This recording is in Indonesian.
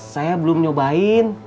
saya belum nyobain